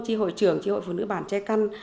chí hội trưởng chí hội phụ nữ bản che căn